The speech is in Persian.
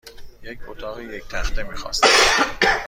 یک اتاق یک تخته میخواستم.